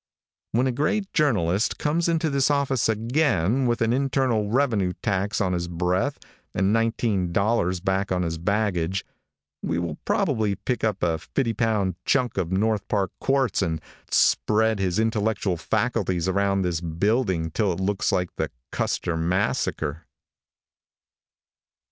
When a great journalist comes into this office again with an internal revenue tax on his breath and nineteen dollars back on his baggage, we will probably pick up a fifty pound chunk of North Park quartz and spread his intellectual faculties around this building till it looks like the Custer massacre.